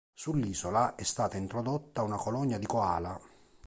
Sull'isola è stata introdotta una colonia di koala.